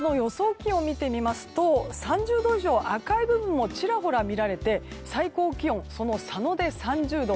気温を見てみますと３０度以上、赤い部分もちらほら見られて最高気温、その佐野で３０度。